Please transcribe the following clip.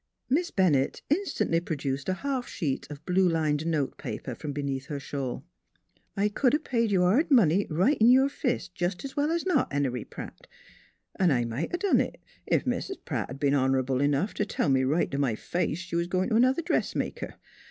Miss Bennett instantly produced a half sheet of blue lined note paper from beneath her shawl. " I c'd 'a' paid you hard money right in your fist jest as well 's not, Henery Pratt, an' I might a done it if Mis' Pratt had been hon'rable enough t' tell me right t' my face she was goin' t' another dressmaker.